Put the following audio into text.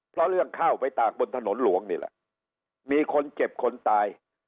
เพราะเรื่องข้าวไปตากบนถนนหลวงนี่แหละมีคนเจ็บคนตาย